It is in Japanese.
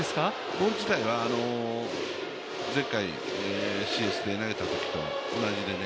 ボール自体は前回ＣＳで投げたときと同じでね。